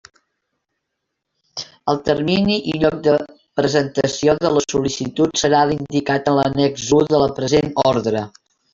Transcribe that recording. El termini i lloc de presentació de les sol·licituds serà l'indicat en l'annex u de la present orde.